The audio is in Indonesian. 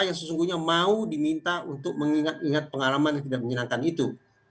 yang sesungguhnya mau diminta untuk mengingat ingat pengalaman yang tidak menyenangkan itu